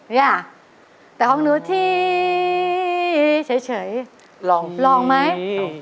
เนี่ยแต่ของหนูทีเฉยลองลองไหม